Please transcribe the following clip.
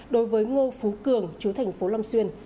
đối với ngô phú cường chú thành phố long xuyên